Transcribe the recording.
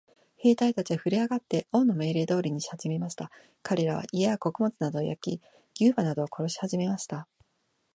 兵隊たちはふるえ上って、王の命令通りにしはじめました。かれらは、家や穀物などを焼き、牛馬などを殺しはじめました。